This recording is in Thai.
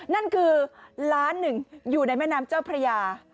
นั่นคือล้านหนึ่งอยู่ในแม่น้ำเจ้าพระยา